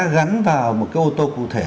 gắn vào một cái ô tô cụ thể